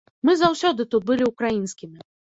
Мы заўсёды тут былі украінскімі.